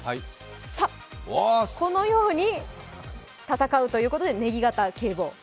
さっ、このように戦うということでネギ型特殊警棒。